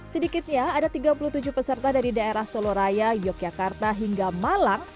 sedikitnya ada tiga puluh tujuh peserta dari daerah soloraya yogyakarta hingga malang